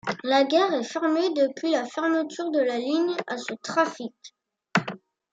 La gare est fermée depuis la fermeture de la ligne à ce trafic.